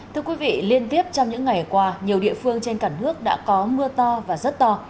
thưa quý vị liên tiếp trong những ngày qua nhiều địa phương trên cả nước đã có mưa to và rất to